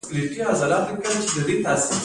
د زابل په ارغنداب کې د فلورایټ نښې شته.